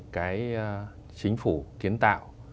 cái chính phủ kiến tạo